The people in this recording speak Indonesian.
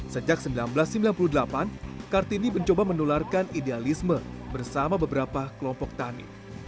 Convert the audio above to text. sejak seribu sembilan ratus sembilan puluh delapan kartini mencoba menularkan idealisme bersama beberapa kelompok tani